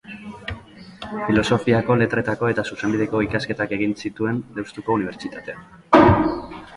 Filosofiako, Letretako eta Zuzenbideko ikasketak egin zituen Deustuko Unibertsitatean.